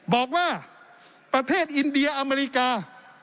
บอกว่าประเทศอินเดียอเมริกา